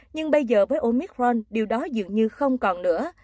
nhưng bây giờ với omicron điều đó dường như không còn nữa